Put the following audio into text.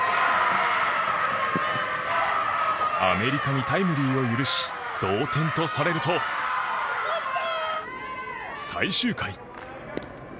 アメリカにタイムリーを許し同点とされると最終回。